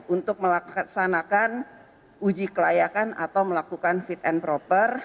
untuk melaksanakan uji kelayakan atau melakukan fit and proper